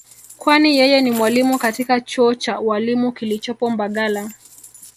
kwani yeye ni mwalimu katika chuo cha ualimu kilichopo mbagala